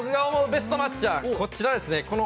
ベストマッチはこちらですね。